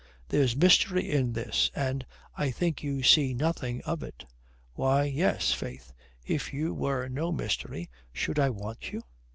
"There's mystery in this, and I think you see nothing of it." "Why, yes, faith. If you were no mystery, should I want you?